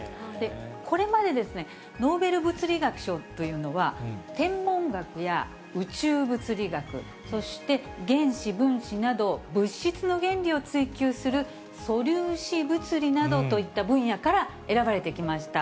これまで、ノーベル物理学賞というのは、天文学や宇宙物理学、そして原子、分子など、物質の原理を追究する素粒子物理などといった分野から選ばれてきました。